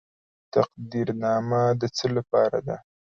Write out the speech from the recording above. تقدیرنامه د څه لپاره ده؟